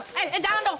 eh eh jangan dong